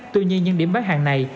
tuy nhiên những điểm bán hàng này